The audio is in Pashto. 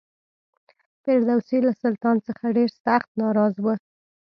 فردوسي له سلطان څخه ډېر سخت ناراض و.